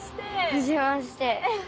はじめまして！